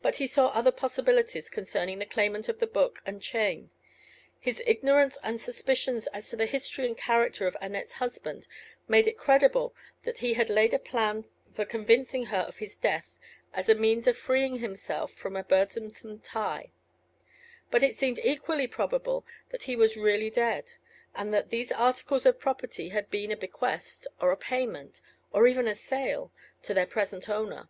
But he saw other possibilities concerning the claimant of the book and chain. His ignorance and suspicions as to the history and character of Annette's husband made it credible that he had laid a plan for convincing her of his death as a means of freeing himself from a burdensome tie; but it seemed equally probable that he was really dead, and that these articles of property had been a bequest, or a payment, or even a sale, to their present owner.